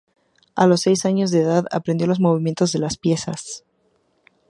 A los seis años de edad, aprendió los movimientos de las piezas.